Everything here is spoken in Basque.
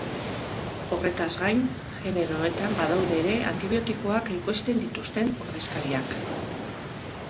Horretaz gain, genero honetan badaude ere antibiotikoak ekoizten dituzten ordezkariak.